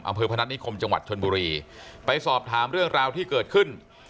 พนัฐนิคมจังหวัดชนบุรีไปสอบถามเรื่องราวที่เกิดขึ้น